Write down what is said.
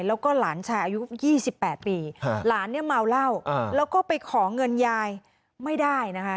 แล้วก็หลานชายอายุ๒๘ปีหลานเนี่ยเมาเหล้าแล้วก็ไปขอเงินยายไม่ได้นะคะ